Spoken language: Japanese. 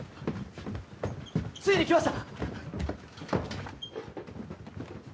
ついにきました